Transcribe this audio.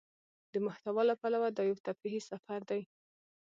د محتوا له پلوه دا يو تفريحي سفر دى.